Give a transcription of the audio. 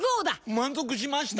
満足しました！